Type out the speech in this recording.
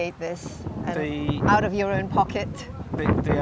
keluar dari kaki kakimu